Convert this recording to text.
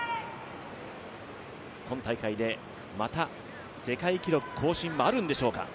今大会でまた世界記録更新はあるんでしょうか。